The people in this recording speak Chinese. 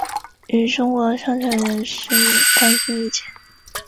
与中国上层人士关系密切。